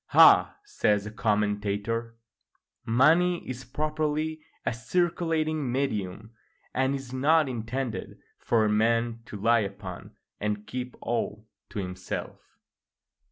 ["Ah!" says the commentator, "money is properly a circulating medium, and is not intended for a man to lie upon and keep all to himself."